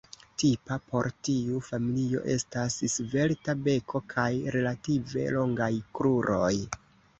Tipa por tiu familio estas svelta beko kaj relative longaj kruroj.